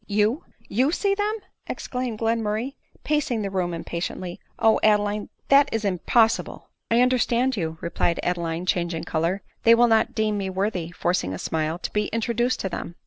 " You ! you see them !" exclaimed Glenmurray, pa cing the room impatiently; "O Adeline, that is impos sible .'"" I understand you," replied Adeline, changing color ;" they will not deem me worthy," forcing a smile, "to be introduced to them."